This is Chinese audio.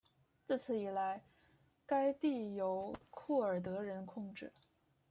自此以来该地由库尔德人控制。